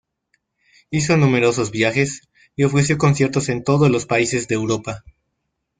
Hizo numerosos viajes y ofreció conciertos en todos los países de Europa.